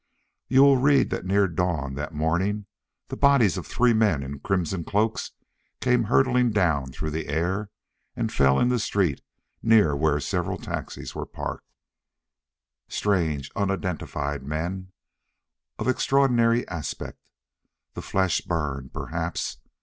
You will read that near dawn that morning, the bodies of three men in crimson cloaks came hurtling down through the air and fell in the street near where several taxis were parked. Strange, unidentified men. Of extraordinary aspect. The flesh burned, perhaps.